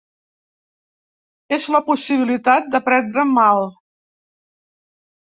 És la possibilitat de prendre mal.